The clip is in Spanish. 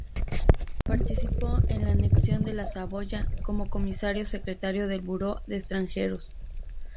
Participó en la Anexión de la Saboya como comisario secretario del Buró de extranjeros